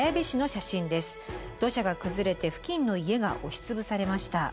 土砂が崩れて付近の家が押し潰されました。